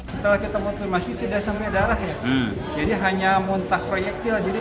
setelah kita konfirmasi tidak sampai darah ya jadi hanya muntah proyektil jadi